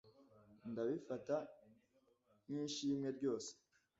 Nzabifata nk'ishimwe ryose.